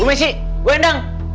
bu messi bu endang